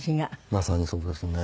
まさにそうですね。